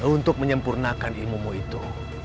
untuk menyempurnakan ilmumu itu